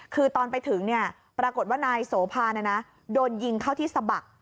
คือตอนไปถึงปรากฏว่านายโสภาโดนยิงเข้าที่สะบัก